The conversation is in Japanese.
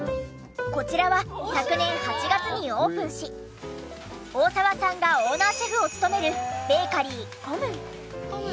こちらは昨年８月にオープンし大澤さんがオーナーシェフを務めるベーカリーコム・ン。